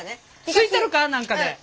吸い取るか何かで。